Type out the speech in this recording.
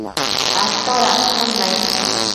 atodacshun nai?